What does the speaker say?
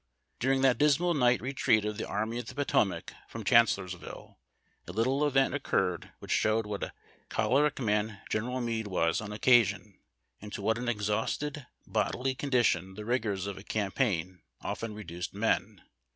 During that dismal night retreat of the Army of the Potomac from Chancellorsville, a little event occurred which showed what a choleric man General Meade was on occa sion, and to what an exhausted bodily condition the rigors of a campaign often reduced men.